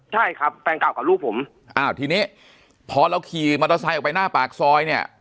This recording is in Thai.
ใช่ครับแฟนเก่ากับลูกผมอ้าวทีนี้พอเราขี่มอเตอร์ไซค์ออกไปหน้าปากซอยเนี่ย